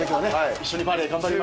一緒にバレー頑張りましたけど。